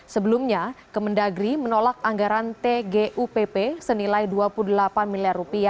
sebelumnya kemendagri menolak anggaran tgupp senilai rp dua puluh delapan miliar